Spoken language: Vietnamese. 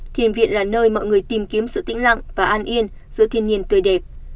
thiền viện là nơi mọi người tìm kiếm sự tĩnh lặng và an yên giữa thiên nhiên tươi đẹp